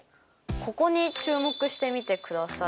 ここに注目してみてください。